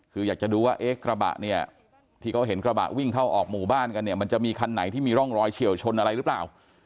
คืออยากจะดูว่าเอ๊ะกระบะเนี่ยที่เขาเห็นกระบะวิ่งเข้าออกหมู่บ้านกันเนี่ยมันจะมีคันไหนที่มีร่องรอยเฉียวชนอะไรหรือเปล่า